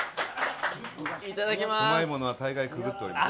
うまいものは大概くぐっております。